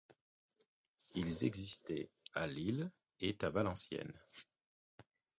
Ils existaient à Lille et à Valenciennes.